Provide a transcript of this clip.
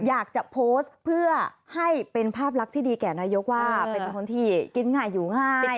อยากจะโพสต์เพื่อให้เป็นภาพลักษณ์ที่ดีแก่นายกว่าเป็นคนที่กินง่ายอยู่ง่าย